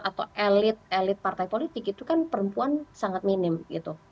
atau elit elit partai politik itu kan perempuan sangat minim gitu